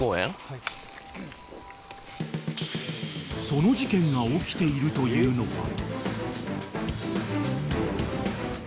［その事件が起きているというのは］